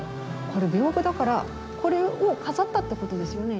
これ風だからこれを飾ったってことですよね